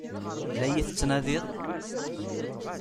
La iyi-tettnadiḍ?